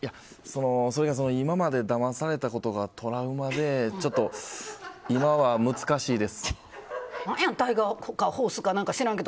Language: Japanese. それが、今までだまされたことがトラウマで、ちょっと今はちょっと難しいです。